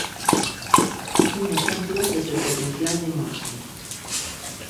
Un ejemplo es el potencial de Morse.